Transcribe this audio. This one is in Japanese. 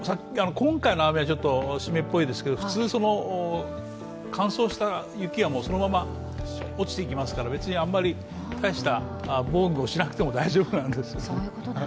今回のあれは湿っぽいですけど普通、乾燥した雪はそのまま落ちてきますから、別に大した防具をしなくても大丈夫なんです。